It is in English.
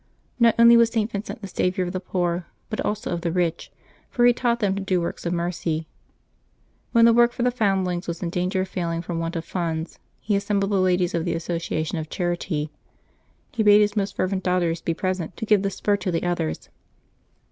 Not only was St. Vincent the saviour of the poor, but also of the rich, for he taught them to do works of mercj\ When the work for the foundlings was in danger of failing from want of funds, he assembled the ladies of the Association of Charity. He bade his most fervent daughters be present to give the spur to the others.